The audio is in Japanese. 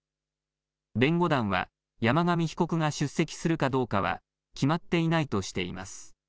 弁護団は山上被告が出席するかどうかは決まっていないとしています。